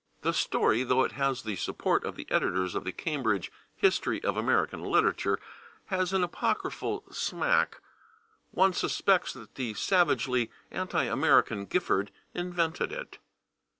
" The story, though it has the support of the editors of the Cambridge History of American Literature, has an apocryphal smack; one suspects that the savagely anti American Gifford invented it.